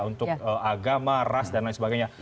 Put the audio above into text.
untuk agama ras dan lain sebagainya